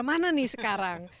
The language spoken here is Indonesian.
kepala negara mana nih sekarang